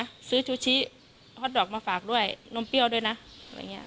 ก็เสียใจไปไม่เป็นเลย